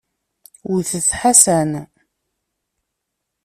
Wwtet Ḥasan.